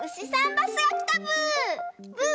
バスがきたブー！